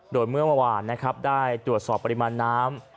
โดยเมื่อเมื่อวานนะครับได้ตรวจสอบปริมาณน้ำ